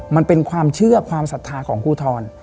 มันเป็นความเชื่อความศรัทธาของครูทร